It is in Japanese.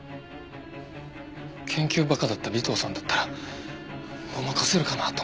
研究バカだった尾藤さんだったらごまかせるかなと思って。